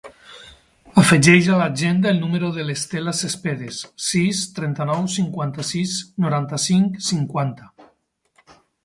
Afegeix a l'agenda el número de l'Estela Cespedes: sis, trenta-nou, cinquanta-sis, noranta-cinc, cinquanta.